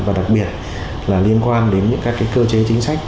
và đặc biệt là liên quan đến những các cơ chế chính sách